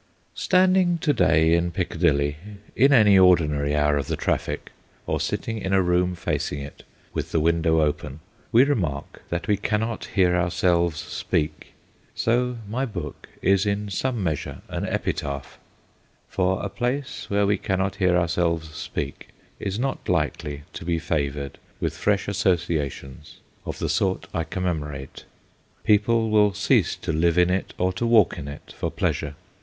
254 XVII. THE CHURCH AND THE END .. 269 INDEX 279 CHAPTEK I A GENERAL VIEW STANDING to day in Piccadilly, in any ordinary hour of the traffic, or sitting in a room facing it with the window open, we remark that we cannot hear ourselves speak. So my book is m some measure an epitaph ; for a place where we cannot hear ourselves speak is not likely to be favoured with fresh associations of the sort I commemorate. People will cease to live in it or to walk in it for pleasure.